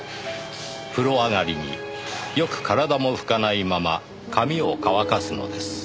「風呂上がりによく体も拭かないまま髪を乾かすのです」